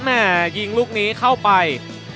แม่ยิงลูกนี้เข้าไป